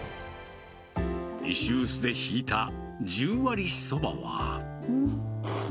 石うすでひいた十割そばは。